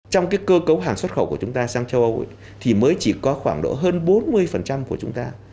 trong cơ cấu hàng xuất khẩu của chúng ta sang châu âu thì mới chỉ có khoảng độ hơn bốn mươi của chúng ta